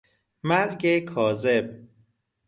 مرگ کاذب